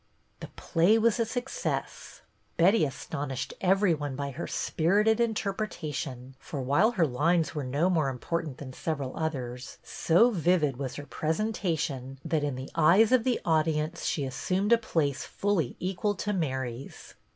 The play was a success. Betty astonished every one by her spirited interpretation ; for while her lines were no more important than several others', so vivid was her presentation that in the eyes of the audience she assumed a place fully equal to Mary's.